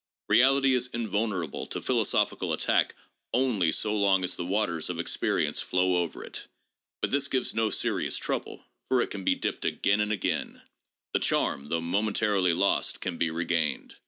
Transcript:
Reality is invulnerable to philosophical attack only so long as the waters of experience flow over it. But this gives no serious trouble, for it can be dipped again and again. The charm, though momentarily lost, can be regained.